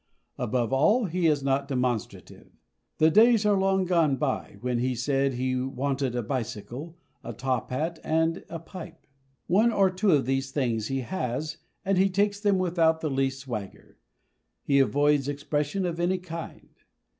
Above all, he is not demonstrative. The days are long gone by when he said he wanted a bicycle, a top hat, and a pipe. One or two of these things he has, and he takes them without the least swagger. He avoids expression of any kind.